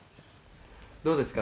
「どうですか？